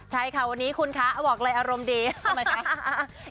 ใช่ค่ะวันนี้คุณคะบอกเลยอารมณ์ดีทำไมคะ